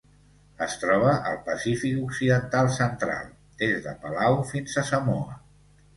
Es troba al Pacífic occidental central: des de Palau fins a Samoa.